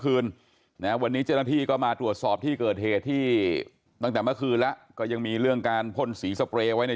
เกลียดกับน้ำมื้นอยู่ว่า